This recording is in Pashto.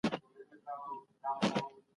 دغه ولسوالي د بکواه له دښتې سره سرحد لري.